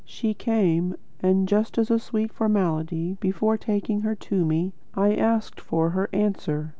She came, and, just as a sweet formality before taking her to me, I asked for her answer.